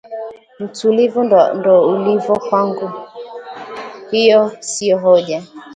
Mtulivu ndo ulivyo, kwangu hiyo siyo hoja